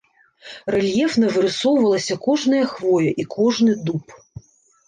Рэльефна вырысоўвалася кожная хвоя і кожны дуб.